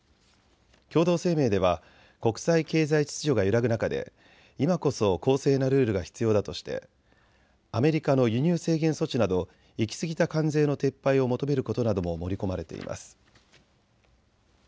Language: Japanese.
共同声明では国際経済秩序が揺らぐ中で今こそ公正なルールが必要だとしてアメリカの輸入制限措置など行きすぎた関税の撤廃を求めることなども盛り込まれています。